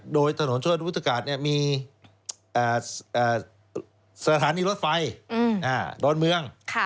โดยถนนเชิดวุฒากาศมีสถานีรถไฟดอนเมือง